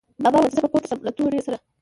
بابا ویل، چې زه به پورته شم له تورې سره